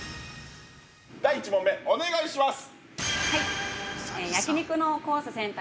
◆第１問目、お願いします。